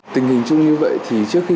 tình hình chung như vậy thì trước khi